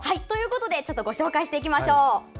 ご紹介していきましょう。